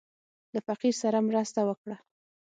له فقير سره مرسته وکړه.